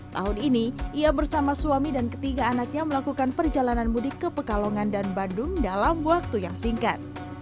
tahun ini ia bersama suami dan ketiga anaknya melakukan perjalanan mudik ke pekalongan dan bandung dalam waktu yang singkat